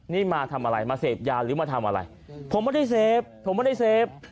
นี่มาทำอะไรมาเสพยาหรือมาทำอะไรผมไม่ได้เสพผมไม่ได้เสพ